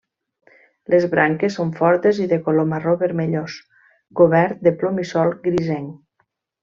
Les branques són fortes i de color marró vermellós, cobert de plomissol grisenc.